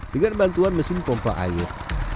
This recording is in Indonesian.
dengan bantuan mesin pompa air